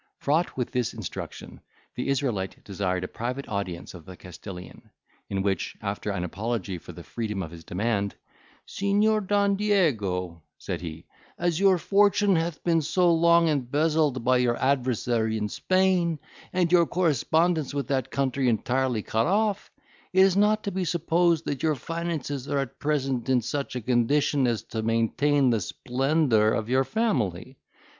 Fraught with this instruction, the Israelite desired a private audience of the Castilian, in which, after an apology for the freedom of his demand, "Signior Don Diego," said he, "as your fortune hath been so long embezzled by your adversary in Spain, and your correspondence with that country entirely cut off, it is not to be supposed that your finances are at present in such a condition as to maintain the splendour of your family.